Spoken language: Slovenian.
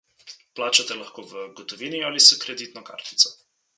Plačate lahko v gotovini ali s kreditno kartico.